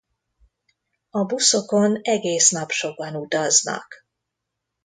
A buszokon egész nap sokan utaznak.